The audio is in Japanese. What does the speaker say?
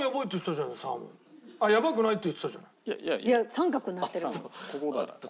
三角になってるもん。